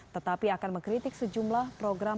tetapi akan mengkritik sejumlah program